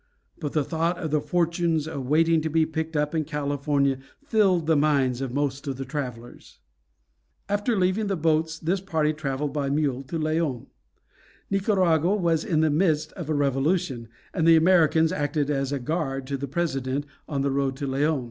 But the thought of the fortunes waiting to be picked up in California filled the minds of most of the travelers. After leaving the boats this party traveled by mule to Leon. Nicaragua was in the midst of a revolution, and the Americans acted as a guard to the President on the road to Leon.